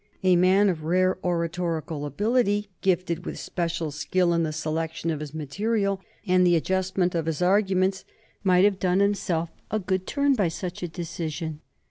A man of rare oratorical ability, gifted with special skill in the selection of his material and the adjustment of his arguments, might have done himself a good turn by such a decision.